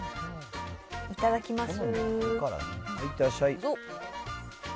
いただきます。